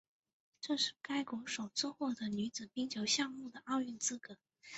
这是该国首次获得女子冰球项目的奥运资格。